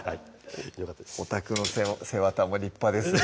「おたくの背わたも立派ですね」